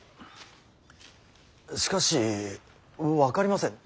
しかし分かりません。